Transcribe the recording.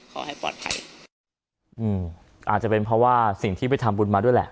ขอให้ปลอดภัยอืมอาจจะเป็นเพราะว่าสิ่งที่ไปทำบุญมาด้วยแหละ